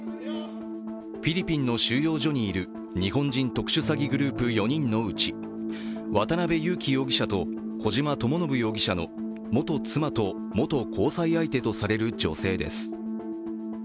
フィリピンの収容所にいる日本人特殊詐欺グループ４人のうち渡辺優樹容疑者と小島智信容疑者の元妻と元交際相手とされる女性です。